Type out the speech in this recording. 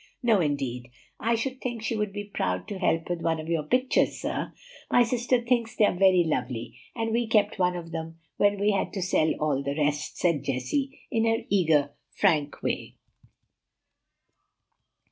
"No, indeed; I should think she would be proud to help with one of your pictures, sir. My sister thinks they are very lovely; and we kept one of them when we had to sell all the rest," said Jessie, in her eager, frank way.